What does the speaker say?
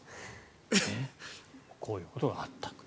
こういうことがあったと。